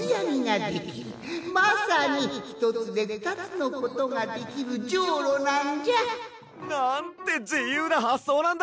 まさにひとつでふたつのことができるじょうろなんじゃ」。なんてじゆうなはっそうなんだ！